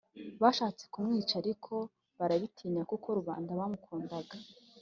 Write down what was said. bashatse kumwica Ariko barabitinye kuko rubanda bamukundaga